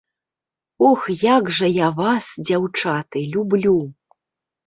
Ох, як жа я вас, дзяўчаты, люблю!